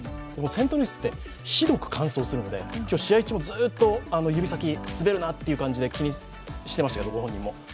セントルイスって、ひどく乾燥するので、今日、試合中もずっと指先、滑るなって感じで気にしてましたけど、ご本人も。